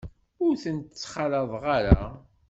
Ur tent-ttxalaḍeɣ ara.